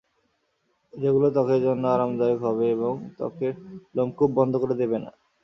যেগুলো ত্বকের জন্য আরামদায়ক হবে এবং ত্বকের লোমকূপ বন্ধ করে দেবে না।